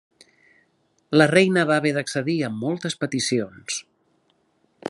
La reina va haver d'accedir a moltes peticions.